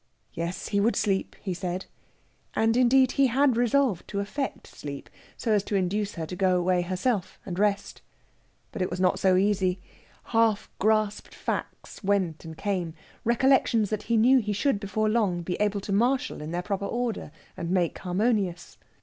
Yes, he would sleep, he said. And, indeed, he had resolved to affect sleep, so as to induce her to go away herself and rest. But it was not so easy. Half grasped facts went and came recollections that he knew he should before long be able to marshal in their proper order and make harmonious.